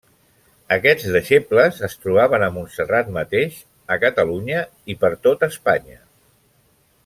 Aquests deixebles es trobaven a Montserrat mateix, a Catalunya i per tot Espanya.